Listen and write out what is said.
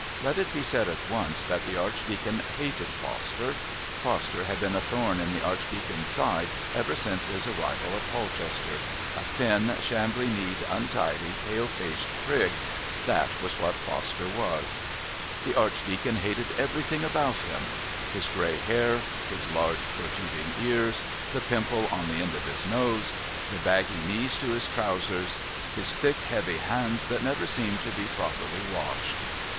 Let it be said at once that the Archdeacon hated Foster. Foster had been a thorn in the Archdeacon's side ever since his arrival in Polchester a thin, shambly kneed, untidy, pale faced prig, that was what Foster was! The Archdeacon hated everything about him his grey hair, his large protruding ears, the pimple on the end of his nose, the baggy knees to his trousers, his thick heavy hands that never seemed to be properly washed.